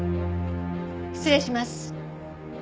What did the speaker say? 失礼します。